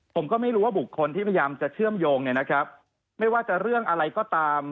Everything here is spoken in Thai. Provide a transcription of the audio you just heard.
ผมก็ไม่รู้ว่าบุคคลที่พยายามจะเชื่อมโยงเนี่ยนะครับไม่ว่าจะเรื่องอะไรก็ตาม